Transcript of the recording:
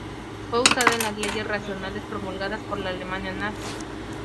Fue usada en las leyes raciales promulgadas por la Alemania nazi.